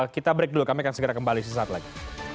kita break dulu kami akan segera kembali sesaat lagi